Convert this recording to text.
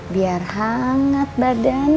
biar hangat badannya